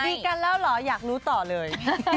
ดีกันแล้วเหรออยากรู้ต่อเลย